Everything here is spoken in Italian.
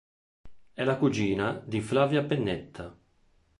È la cugina di Flavia Pennetta.